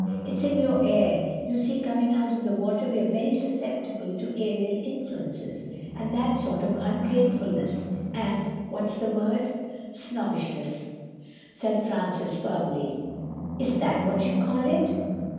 It's in your air. You see, coming out of the water we're very susceptible to aerial influences—and that sort of ungratefulness and, what's the word—?" "Snobbishness," said Francis firmly. "Is that what you call it?